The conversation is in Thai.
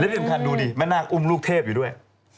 ที่สำคัญดูดิแม่นาคอุ้มลูกเทพอยู่ด้วย